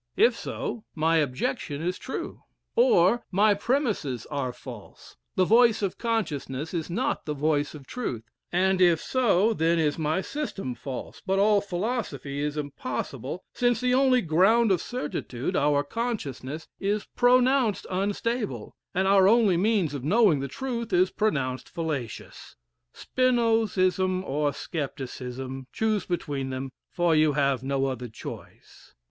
"'If so, my objection is true; "'Or my premises are false; the voice of consciousness is not the voice of truth; "'And if so, then is my system false, but all philosophy is impossible; since the only ground of certitude our consciousness is pronounced unstable, our only means of knowing the truth is pronounced fallacious.'" "Spinozism or scepticism, choose between them, for you have no other choice.